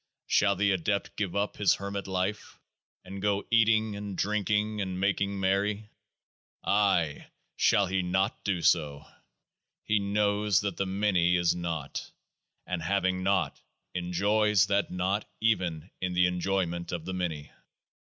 shall the Adept give up his hermit life, and go eating and drinking and making merry? Ay ! shall he not do so? he knows that the Many is Naught ; and having Naught, en joys that Naught even in the enjoyment of the Many.